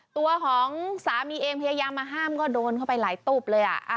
ตัวของสามีเองพยายามมาห้ามก็โดนเข้าไปหลายตุ๊บเลย